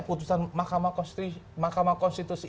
putusan makam konstitusi